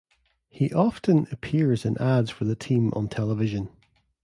He often appears in ads for the team on television.